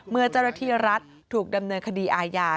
เมื่อเจ้าหน้าที่รัฐถูกดำเนินคดีอาญา